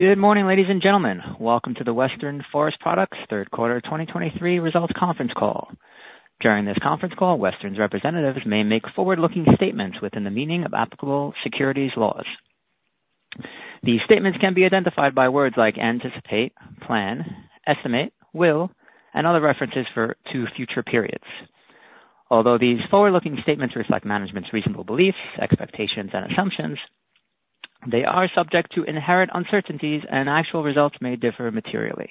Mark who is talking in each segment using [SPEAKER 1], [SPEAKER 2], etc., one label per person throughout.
[SPEAKER 1] Good morning, ladies and gentlemen. Welcome to the Western Forest Products third quarter 2023 results conference call. During this conference call, Western's representatives may make forward-looking statements within the meaning of applicable securities laws. These statements can be identified by words like anticipate, plan, estimate, will, and other references to future periods. Although these forward-looking statements reflect management's reasonable beliefs, expectations, and assumptions, they are subject to inherent uncertainties, and actual results may differ materially.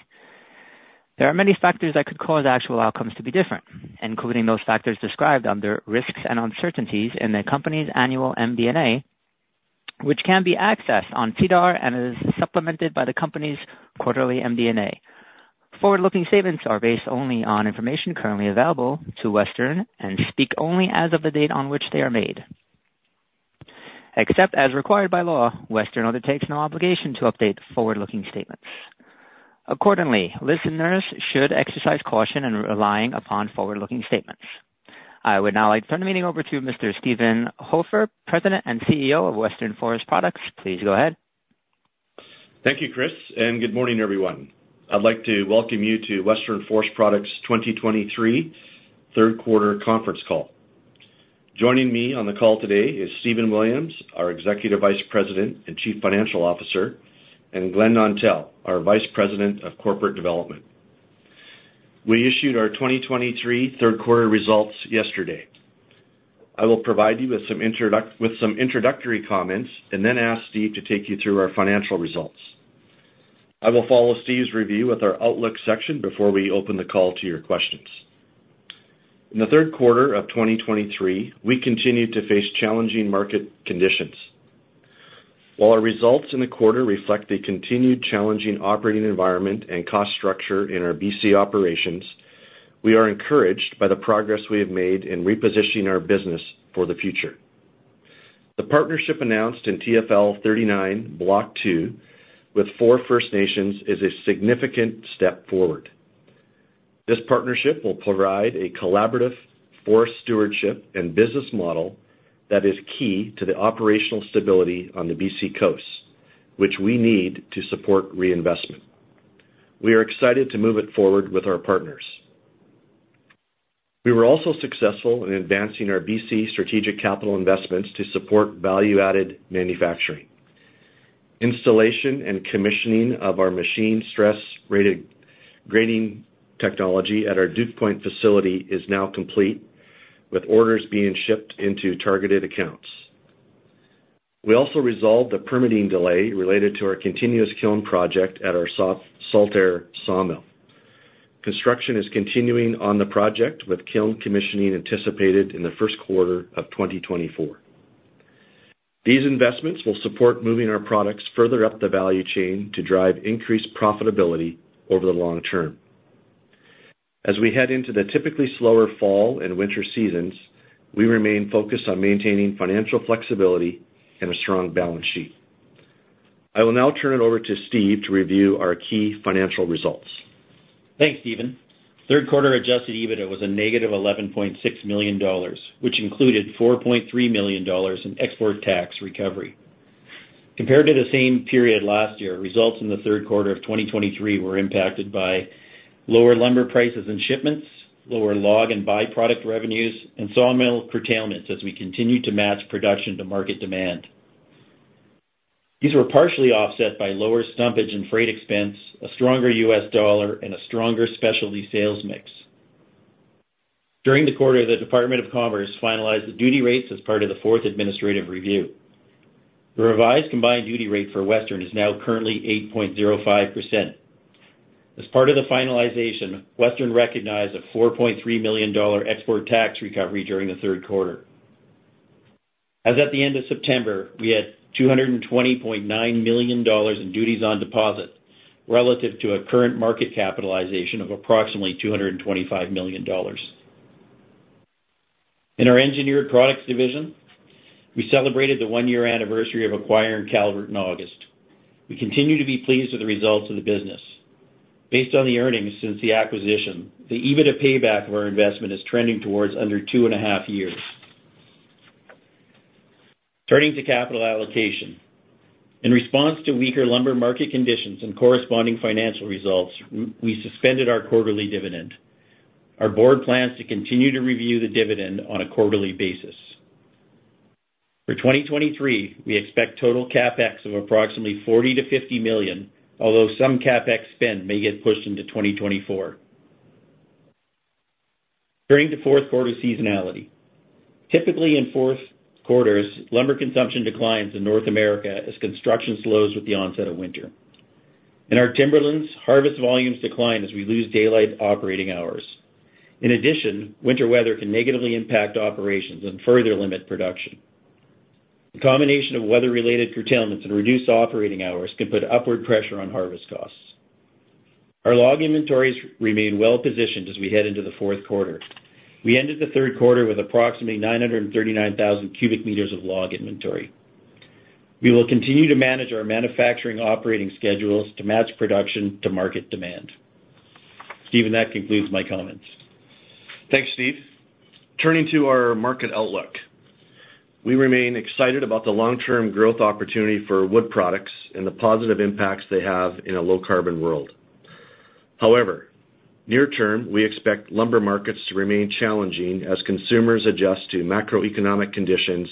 [SPEAKER 1] There are many factors that could cause actual outcomes to be different, including those factors described under Risks and Uncertainties in the company's annual MD&A, which can be accessed on SEDAR and is supplemented by the company's quarterly MD&A. Forward-looking statements are based only on information currently available to Western and speak only as of the date on which they are made except as required by law, Western undertakes no obligation to update forward-looking statements. Accordingly, listeners should exercise caution in relying upon forward-looking statements. I would now like to turn the meeting over to Mr. Steven Hofer, President and CEO of Western Forest Products. Please go ahead.
[SPEAKER 2] Thank you, Chris, and good morning, everyone. I'd like to welcome you to Western Forest Products' 2023 third quarter conference call. Joining me on the call today is Stephen Williams, our Executive Vice President and Chief Financial Officer, and Glen Nontell, our Vice President of Corporate Development. We issued our 2023 third quarter results yesterday. I will provide you with some introductory comments and then ask Steve to take you through our financial results. I will follow Steve's review with our outlook section before we open the call to your questions. In the third quarter of 2023, we continued to face challenging market conditions. While our results in the quarter reflect a continued challenging operating environment and cost structure in our B.C. operations, we are encouraged by the progress we have made in repositioning our business for the future. The partnership announced in TFL 39, Block 2, with four First Nations, is a significant step forward. This partnership will provide a collaborative forest stewardship and business model that is key to the operational stability on the B.C. coast, which we need to support reinvestment. We are excited to move it forward with our partners. We were also successful in advancing our B.C. strategic capital investments to support value-added manufacturing. Installation and commissioning of our machine stress-rated grading technology at our Duke Point facility is now complete, with orders being shipped into targeted accounts. We also resolved a permitting delay related to our continuous kiln project at our Saltair Sawmill. Construction is continuing on the project, with kiln commissioning anticipated in the first quarter of 2024. These investments will support moving our products further up the value chain to drive increased profitability over the long term. As we head into the typically slower fall and winter seasons, we remain focused on maintaining financial flexibility and a strong balance sheet. I will now turn it over to Steve to review our key financial results.
[SPEAKER 3] Thanks, Steven. Third quarter Adjusted EBITDA was a negative 11.6 million dollars, which included 4.3 million dollars in export tax recovery. Compared to the same period last year, results in the third quarter of 2023 were impacted by lower lumber prices and shipments, lower log and byproduct revenues, and sawmill curtailments as we continued to match production to market demand. These were partially offset by lower stumpage and freight expense, a stronger U.S. dollar, and a stronger specialty sales mix. During the quarter, the Department of Commerce finalized the duty rates as part of the fourth administrative review. The revised combined duty rate for Western is now currently 8.05%. As part of the finalization, Western recognized a 4.3 million dollar export tax recovery during the third quarter. As at the end of September, we had 220.9 million dollars in duties on deposit, relative to a current market capitalization of approximately 225 million dollars. In our engineered products division, we celebrated the one-year anniversary of acquiring Calvert in August. We continue to be pleased with the results of the business. Based on the earnings since the acquisition, the EBITDA payback of our investment is trending towards under 2.5 years. Turning to capital allocation. In response to weaker lumber market conditions and corresponding financial results, we suspended our quarterly dividend. Our Board plans to continue to review the dividend on a quarterly basis. For 2023, we expect total CapEx of approximately 40 million-50 million, although some CapEx spend may get pushed into 2024. Turning to fourth quarter seasonality. Typically, in fourth quarters, lumber consumption declines in North America as construction slows with the onset of winter. In our timberlands, harvest volumes decline as we lose daylight operating hours. In addition, winter weather can negatively impact operations and further limit production. The combination of weather-related curtailments and reduced operating hours can put upward pressure on harvest costs. Our log inventories remain well-positioned as we head into the fourth quarter. We ended the third quarter with approximately 939,000 m³ of log inventory. We will continue to manage our manufacturing operating schedules to match production to market demand. Steven, that concludes my comments.
[SPEAKER 2] Thanks, Steve. Turning to our market outlook. We remain excited about the long-term growth opportunity for wood products and the positive impacts they have in a low carbon world. However, near term, we expect lumber markets to remain challenging as consumers adjust to macroeconomic conditions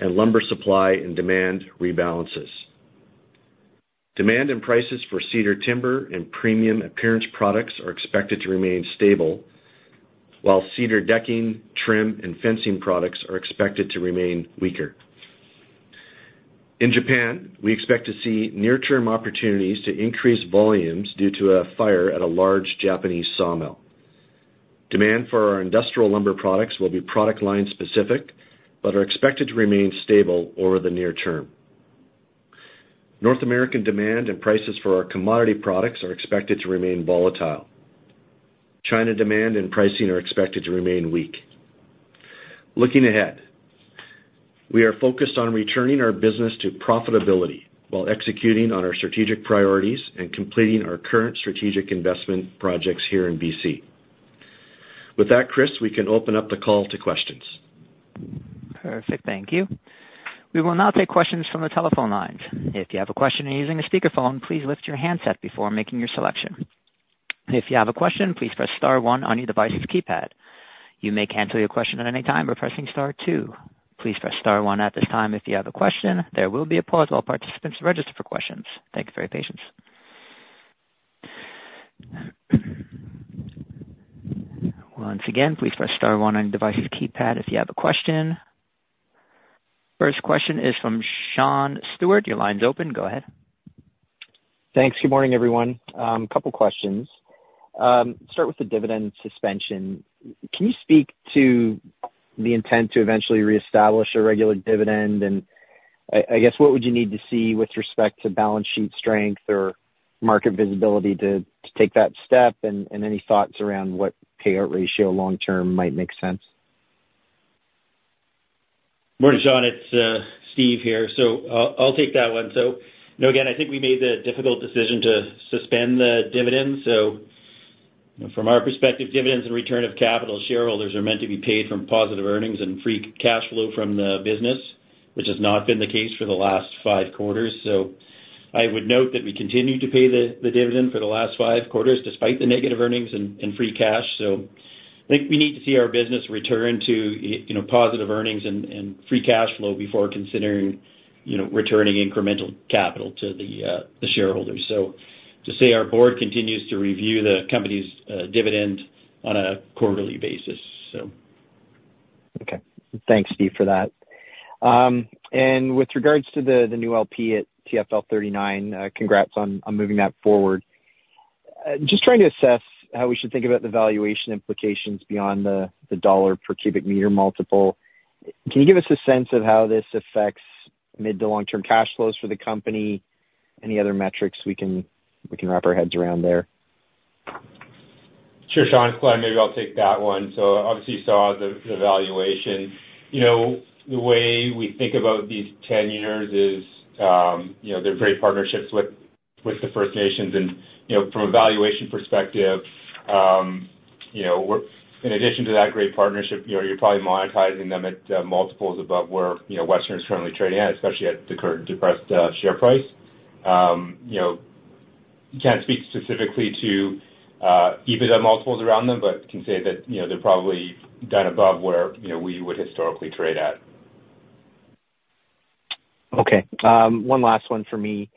[SPEAKER 2] and lumber supply and demand rebalances. Demand and prices for cedar timber and premium appearance products are expected to remain stable, while cedar decking, trim, and fencing products are expected to remain weaker. In Japan, we expect to see near-term opportunities to increase volumes due to a fire at a large Japanese sawmill. Demand for our industrial lumber products will be product line specific, but are expected to remain stable over the near term. North American demand and prices for our commodity products are expected to remain volatile. China demand and pricing are expected to remain weak. Looking ahead, we are focused on returning our business to profitability while executing on our strategic priorities and completing our current strategic investment projects here in B.C. With that, Chris, we can open up the call to questions.
[SPEAKER 1] Perfect. Thank you. We will now take questions from the telephone lines. If you have a question and you're using a speakerphone, please lift your handset before making your selection. If you have a question, please press star one on your device's keypad. You may cancel your question at any time by pressing star two. Please press star one at this time if you have a question. There will be a pause while participants register for questions. Thank you for your patience. Once again, please press star one on your device's keypad if you have a question. First question is from Sean Steuart. Your line's open. Go ahead.
[SPEAKER 4] Thanks. Good morning, everyone. A couple questions. Start with the dividend suspension. Can you speak to the intent to eventually reestablish a regular dividend? And I, I guess, what would you need to see with respect to balance sheet strength or market visibility to, to take that step? And, and any thoughts around what payout ratio long term might make sense?
[SPEAKER 3] Morning, Sean, it's Steve here. So I'll take that one. So, you know, again, I think we made the difficult decision to suspend the dividend. So from our perspective, dividends and return of capital shareholders are meant to be paid from positive earnings and free cash flow from the business, which has not been the case for the last five quarters. So I would note that we continued to pay the dividend for the last five quarters, despite the negative earnings and free cash. So I think we need to see our business return to you know, positive earnings and free cash flow before considering, you know, returning incremental capital to the shareholders. So just say our Board continues to review the company's dividend on a quarterly basis, so.
[SPEAKER 4] Okay. Thanks, Steve, for that. With regards to the new LP at TFL 39, congrats on moving that forward. Just trying to assess how we should think about the valuation implications beyond the CAD 1 per cubic meter multiple. Can you give us a sense of how this affects mid to long-term cash flows for the company? Any other metrics we can wrap our heads around there?
[SPEAKER 5] Sure, Sean. Glen, maybe I'll take that one. So obviously, you saw the, the valuation. You know, the way we think about these tenures is, you know, they're great partnerships with, with the First Nations and, you know, from a valuation perspective, you know, we're in addition to that great partnership, you know, you're probably monetizing them at, multiples above where, you know, Western is currently trading at, especially at the current depressed, share price. You know, can't speak specifically to, EBITDA multiples around them, but can say that, you know, they're probably done above where, you know, we would historically trade at.
[SPEAKER 4] Okay, one last one for me.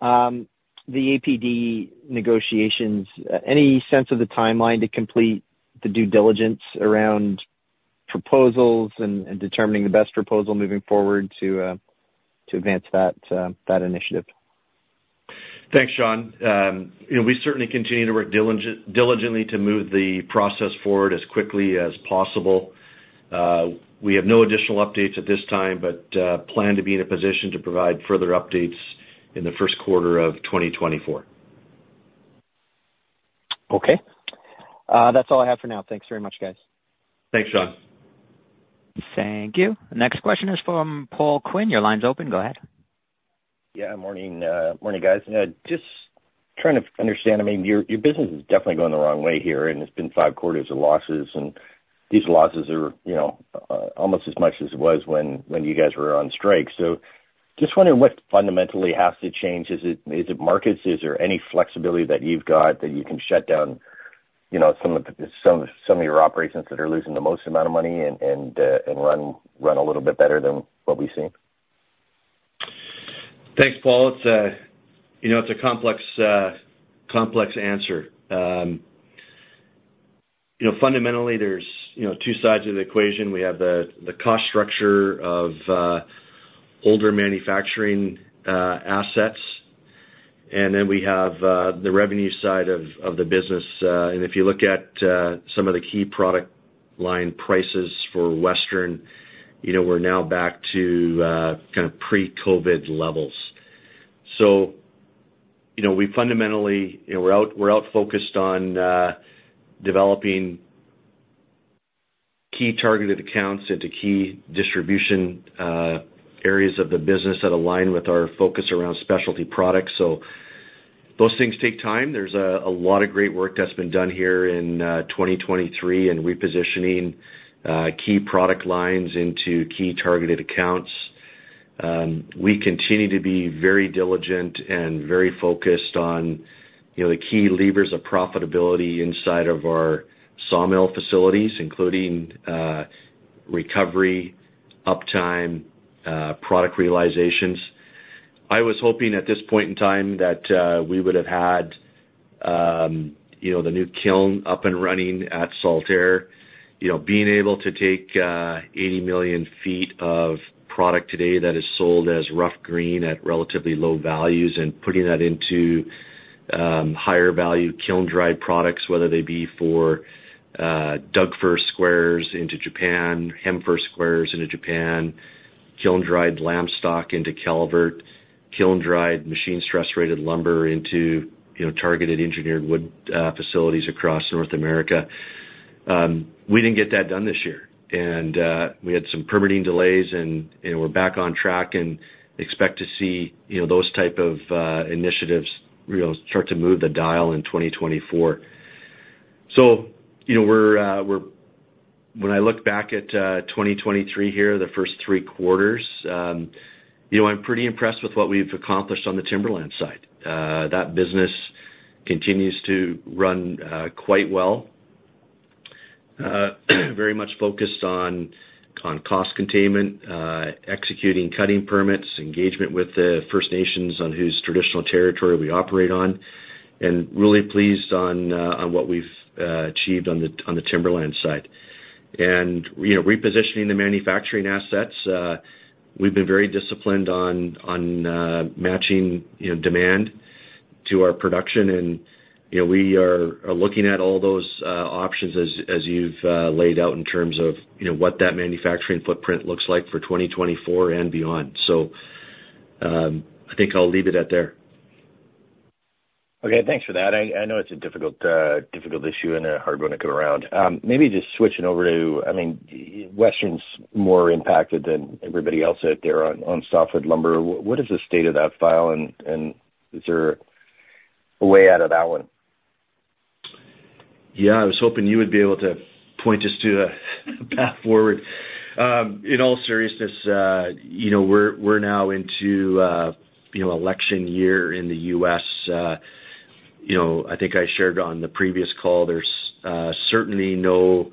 [SPEAKER 4] The APD negotiations, any sense of the timeline to complete the due diligence around proposals and determining the best proposal moving forward to advance that initiative?
[SPEAKER 2] Thanks, Sean. You know, we certainly continue to work diligently to move the process forward as quickly as possible. We have no additional updates at this time, but plan to be in a position to provide further updates in the first quarter of 2024.
[SPEAKER 4] Okay. That's all I have for now. Thanks very much, guys.
[SPEAKER 2] Thanks, Sean.
[SPEAKER 1] Thank you. Next question is from Paul Quinn. Your line's open. Go ahead.
[SPEAKER 6] Yeah, morning. Morning, guys. Just trying to understand, I mean, your, your business is definitely going the wrong way here, and it's been five quarters of losses, and these losses are, you know, almost as much as it was when, when you guys were on strike. So just wondering what fundamentally has to change. Is it, is it markets? Is there any flexibility that you've got that you can shut down, you know, some of the, some of, some of your operations that are losing the most amount of money and, and, and run, run a little bit better than what we've seen?
[SPEAKER 2] Thanks, Paul. It's a, you know, it's a complex answer. You know, fundamentally, there's, you know, two sides of the equation. We have the cost structure of older manufacturing assets, and then we have the revenue side of the business. And if you look at some of the key product line prices for Western, you know, we're now back to kind of pre-COVID levels. So, you know, we fundamentally, you know, we're focused on developing key targeted accounts into key distribution areas of the business that align with our focus around specialty products. So those things take time. There's a lot of great work that's been done here in 2023 in repositioning key product lines into key targeted accounts. We continue to be very diligent and very focused on, you know, the key levers of profitability inside of our sawmill facilities, including recovery, uptime, product realizations. I was hoping at this point in time that we would have had, you know, the new kiln up and running at Saltair. You know, being able to take 80 million feet of product today that is sold as rough green at relatively low values and putting that into higher value kiln-dried products, whether they Doug-fir squares into Japan, Hem-fir squares into Japan, kiln-dried lamstock into Calvert, kiln-dried machine stress-rated lumber into, you know, targeted engineered wood facilities across North America. We didn't get that done this year, and we had some permitting delays and we're back on track and expect to see, you know, those type of initiatives, you know, start to move the dial in 2024. So, you know, when I look back at 2023 here, the first three quarters, you know, I'm pretty impressed with what we've accomplished on the timberland side. That business continues to run quite well. Very much focused on cost containment, executing cutting permits, engagement with the First Nations on whose traditional territory we operate on, and really pleased on what we've achieved on the timberland side. And, you know, repositioning the manufacturing assets, we've been very disciplined on matching, you know, demand to our production and, you know, we are looking at all those options as you've laid out, in terms of, you know, what that manufacturing footprint looks like for 2024 and beyond. So, I think I'll leave it at there.
[SPEAKER 6] Okay, thanks for that. I know it's a difficult issue and a hard one to come around. Maybe just switching over to, I mean, Western's more impacted than everybody else out there on softwood lumber. What is the state of that file, and is there a way out of that one?
[SPEAKER 2] Yeah, I was hoping you would be able to point us to a path forward. In all seriousness, you know, we're now into, you know, election year in the U.S. You know, I think I shared on the previous call there's certainly no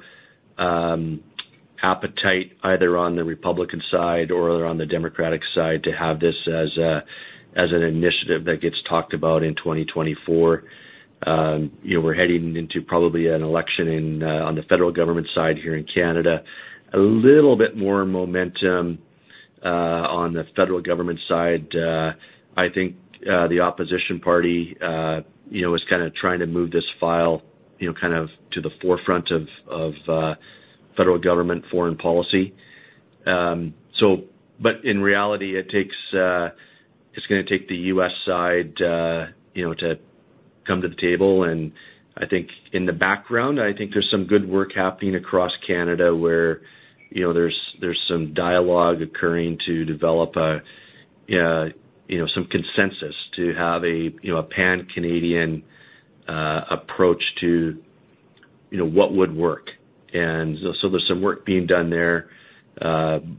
[SPEAKER 2] appetite either on the Republican side or on the Democratic side, to have this as an initiative that gets talked about in 2024. You know, we're heading into probably an election in on the federal government side here in Canada. A little bit more momentum on the federal government side. I think the opposition party you know, is kind of trying to move this file, you know, kind of to the forefront of federal government foreign policy. So but in reality, it takes... It's gonna take the U.S. side, you know, to come to the table. And I think in the background, I think there's some good work happening across Canada, where, you know, there's some dialogue occurring to develop a, you know, some consensus to have a, you know, a Pan-Canadian, approach to, you know, what would work. And so there's some work being done there,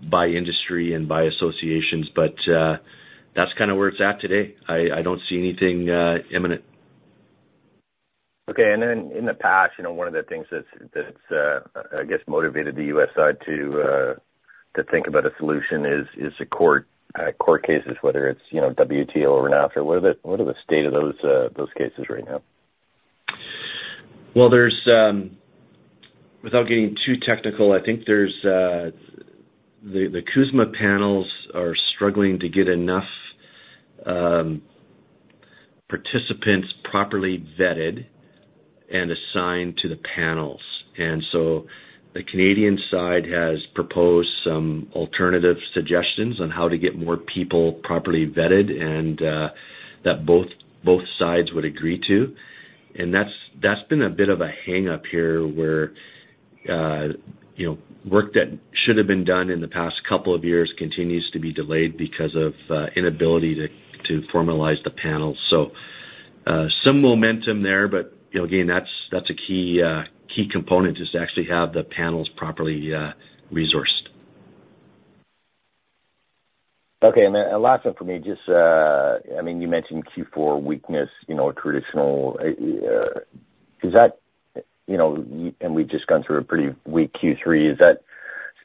[SPEAKER 2] by industry and by associations, but, that's kind of where it's at today. I don't see anything, imminent.
[SPEAKER 6] Okay. And then in the past, you know, one of the things that's I guess motivated the U.S. side to think about a solution is the court cases, whether it's, you know, WTO or not. What are the state of those cases right now?
[SPEAKER 2] Well, there's... Without getting too technical, I think there's the CUSMA panels are struggling to get enough participants properly vetted and assigned to the panels. And so the Canadian side has proposed some alternative suggestions on how to get more people properly vetted and that both sides would agree to. And that's been a bit of a hang-up here, where, you know, work that should have been done in the past couple of years continues to be delayed because of inability to formalize the panel. So, some momentum there, but, you know, again, that's a key component, is to actually have the panels properly resourced.
[SPEAKER 6] Okay. And then last one for me, just, I mean, you mentioned Q4 weakness, you know, a traditional... Is that, you know, and we've just gone through a pretty weak Q3. Is that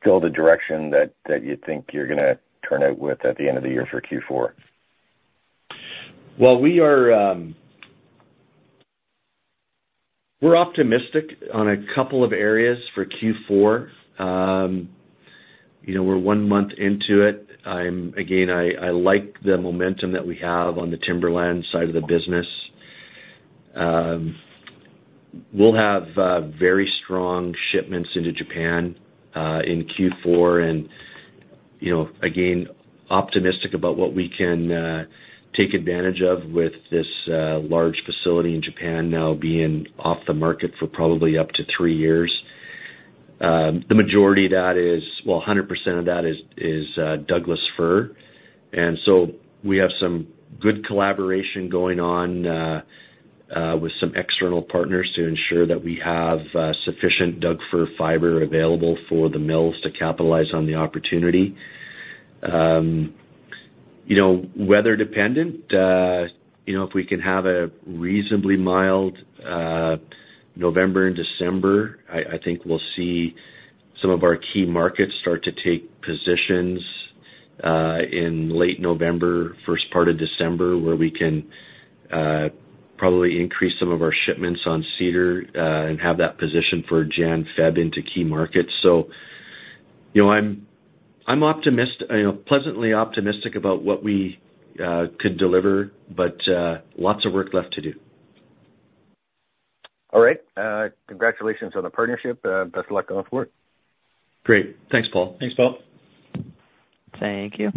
[SPEAKER 6] still the direction that you think you're gonna turn out with at the end of the year for Q4?
[SPEAKER 2] Well, we are, we're optimistic on a couple of areas for Q4. You know, we're one month into it. I'm, again, I, I like the momentum that we have on the timberland side of the business. We'll have very strong shipments into Japan in Q4. And, you know, again, optimistic about what we can take advantage of with this large facility in Japan now being off the market for probably up to three years. The majority of that is. Well, 100% of that is, is Douglas-fir. And so we have some good collaboration going on with some external partners to ensure that we have Doug-fir fiber available for the mills to capitalize on the opportunity. You know, weather-dependent, you know, if we can have a reasonably mild November and December, I think we'll see some of our key markets start to take positions in late November, first part of December, where we can probably increase some of our shipments on Cedar and have that position for Jan, Feb into key markets. So, you know, I'm optimistic, you know, pleasantly optimistic about what we could deliver, but lots of work left to do.
[SPEAKER 6] All right. Congratulations on the partnership, and best of luck going forward.
[SPEAKER 2] Great. Thanks, Paul. Thanks, Paul.
[SPEAKER 1] Thank you.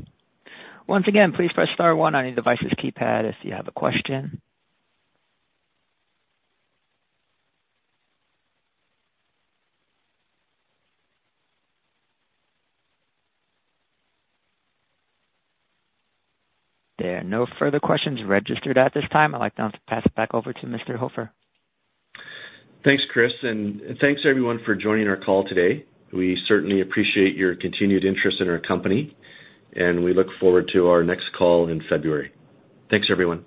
[SPEAKER 1] Once again, please press star one on your device's keypad if you have a question. There are no further questions registered at this time. I'd like now to pass it back over to Mr. Hofer.
[SPEAKER 2] Thanks, Chris, and thanks, everyone, for joining our call today. We certainly appreciate your continued interest in our company, and we look forward to our next call in February. Thanks, everyone.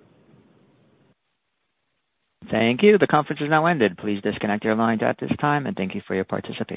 [SPEAKER 1] Thank you. The conference is now ended. Please disconnect your lines at this time, and thank you for your participation.